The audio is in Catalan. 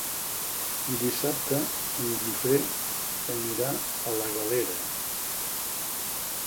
Dissabte en Guifré anirà a la Galera.